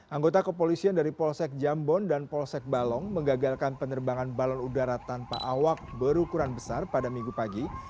anggota kepolisian dari polsek jambon dan polsek balong mengagalkan penerbangan balon udara tanpa awak berukuran besar pada minggu pagi